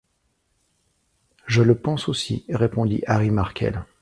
Je le pense aussi.... répondit Harry Markel.